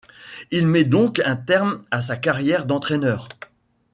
Il met donc un terme à sa carrière d’entraîneur.